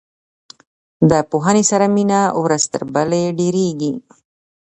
د پوهنې سره مینه ورځ تر بلې ډیریږي.